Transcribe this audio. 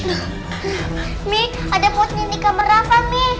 ame ada potnya di kamar rafa ame